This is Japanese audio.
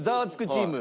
チーム。